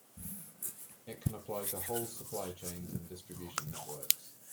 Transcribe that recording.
It can apply to whole supply chains and distribution networks.